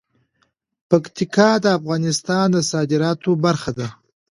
پکتیکا د افغانستان د صادراتو برخه ده.